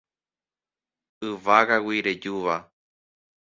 Yvágagui rejúva